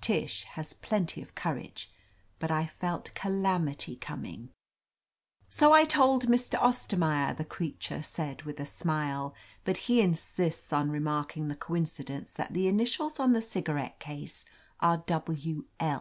Tish has plenty of courage, but I f dt calamity coming. "So I told Mr. Ostermaier,'' the creature said, with a smile. "But he insists on remark ing the coincidence that the initials on the cigarette case are W. L.